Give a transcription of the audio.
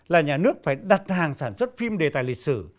là nhà nước phải đặt hàng sản xuất phim đề tài lịch sử